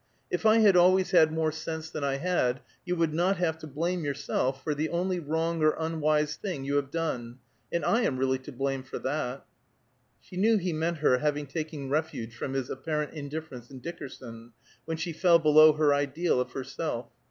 If I had always had more sense than I had, you would not have to blame yourself for the only wrong or unwise thing you have done, and I am really to blame for that." She knew that he meant her having taken refuge from his apparent indifference in Dickerson, when she fell below her ideal of herself.